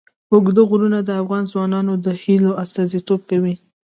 اوږده غرونه د افغان ځوانانو د هیلو استازیتوب کوي.